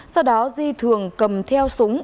sau đó di thường cầm theo súng